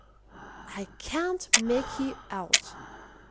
"I can't make you out!"